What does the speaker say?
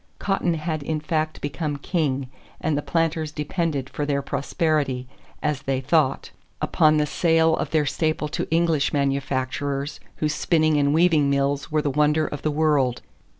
Cotton had in fact become "king" and the planters depended for their prosperity, as they thought, upon the sale of their staple to English manufacturers whose spinning and weaving mills were the wonder of the world.